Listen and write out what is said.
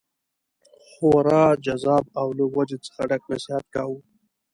خورا جذاب او له وجد څخه ډک نصیحت کاوه.